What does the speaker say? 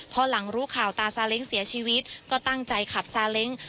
เพราะหลังรู้ข่าวตาสาเล็งก์เสียชีวิตก็ตั้งใจขับสาเล็งก์